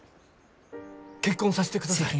結婚さしてください。